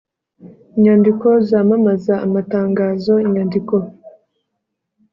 Inyandiko zamamaza amatangazo inyandiko